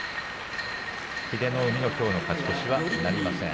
英乃海きょうの勝ち越しはなりません。